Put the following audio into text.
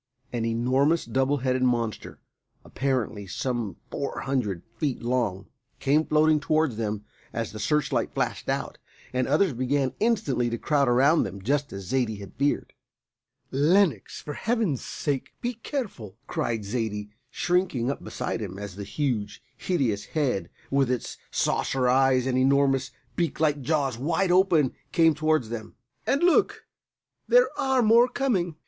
An enormous double headed monster, apparently some four hundred feet long, came floating towards them as the searchlight flashed out, and others began instantly to crowd about them, just as Zaidie had feared. "Lenox, for Heaven's sake be careful!" cried Zaidie, shrinking up beside him as the huge, hideous head, with its saucer eyes and enormous beak like jaws wide open, came towards them. "And look! there are more coming.